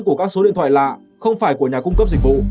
của các số điện thoại lạ không phải của nhà cung cấp dịch vụ